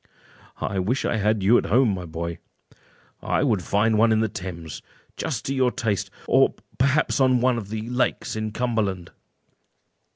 "I wish I had you at home, my boy; I would find one in the Thames, just to your taste, or perhaps on one of the lakes in Cumberland."